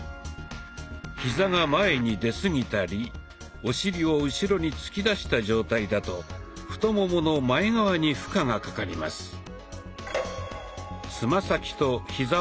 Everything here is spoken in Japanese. ヒザが前に出すぎたりお尻を後ろに突き出した状態だと太ももの前側に負荷がかかります。